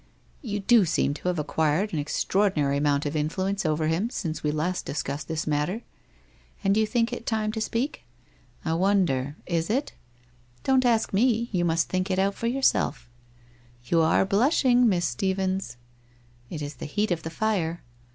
': You do seem to have acquired an extraordinary amount of influence over him since we last discussed this matter! '' And you think it time to speak? '' I wonder — is it ?'' Don't ask me. You must think it out for yourself.' * You are blushing, Mise Stephens.' ' It is the heat of the fire.'